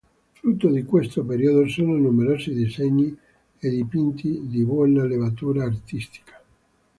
Frutto di questo periodo sono numerosi disegni e dipinti di buona levatura artistica.